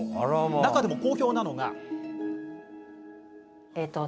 中でも好評なのが。